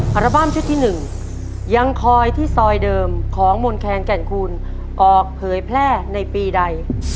อัลบั้มชุดที่๑ยังคอยที่ซอยเดิมของมนแคนแก่นคูณออกเผยแพร่ในปีใด